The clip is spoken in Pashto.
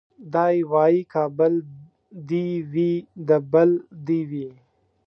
دی وايي کابل دي وي د بل دي وي